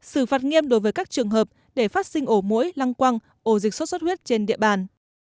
xử phạt nghiêm đối với các trường hợp để phát sinh ổ mũi lăng quăng ổ dịch sốt xuất huyết trên địa bàn